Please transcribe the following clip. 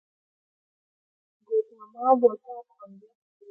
ګوتاما بودا په همدې وخت کې پیدا شو.